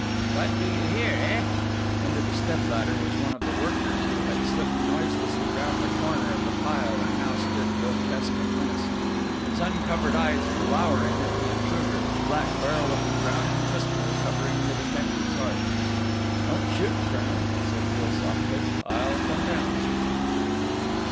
"What you do here eh?" Under the step ladder was one of the workers who had slipped noiselessly round the corner of the pile and now stood, grotesque and menacing, his uncovered eyes glowering at the intruder, the black barrel of his Browning pistol covering the detective's heart. "Don't shoot, colonel," said Beale softly. "I'll come down."